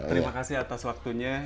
terima kasih atas waktunya